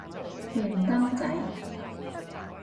連登仔